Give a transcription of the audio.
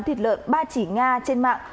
thịt lợn ba chỉ nga trên mạng